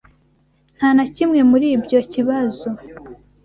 Nta na kimwe muri ibyo kibazo.